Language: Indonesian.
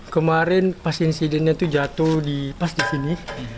kemarin pas insidennya itu jatuh pas di sini